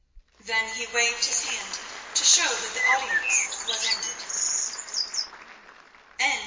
Then he waved his hand to show that the audience was ended.